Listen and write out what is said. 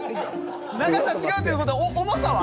長さ違うということは重さは？